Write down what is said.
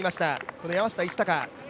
この山下一貴。